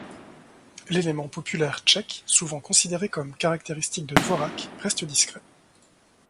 L'élément populaire tchèque, souvent considéré comme caractéristique de Dvořák, reste discret.